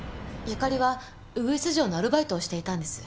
由加里はウグイス嬢のアルバイトをしていたんです。